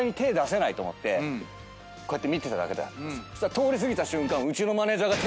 通り過ぎた瞬間。